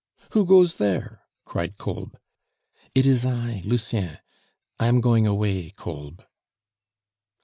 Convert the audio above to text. "Who goes there?" cried Kolb. "It is I, Lucien; I am going away, Kolb."